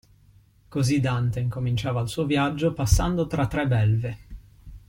Così Dante incominciava il suo viaggio passando tra tre belve.